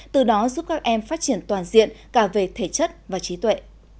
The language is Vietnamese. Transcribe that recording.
từ đó giúp các em phát triển toàn diện cả về thể chất và trí tuệ